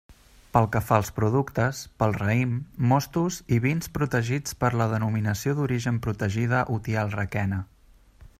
Pel que fa als productes, pel raïm, mostos i vins protegits per la Denominació d'Origen Protegida Utiel-Requena.